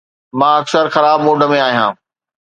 مان اڪثر خراب موڊ ۾ آهيان